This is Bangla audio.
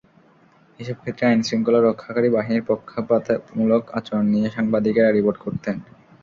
এসব ক্ষেত্রে আইনশৃঙ্খলা রক্ষাকারী বাহিনীর পক্ষপাতমূলক আচরণ নিয়ে সাংবাদিকেরা রিপোর্ট করতেন।